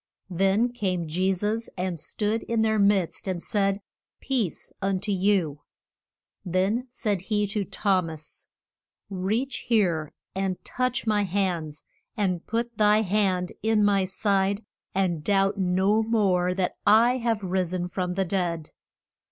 Then came Je sus and stood in their midst and said, Peace be un to you. Then said he to Thom as, Reach here and touch my hands, and put thy hand in my side, and doubt no more that I have ris en from the dead.